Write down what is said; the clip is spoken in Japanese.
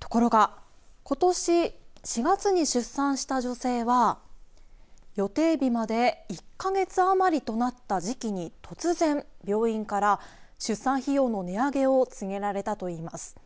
ところがことし４月に出産した女性は予定日まで１か月余りとなった時期に突然病院から出産費用の値上げを告げられたといいます。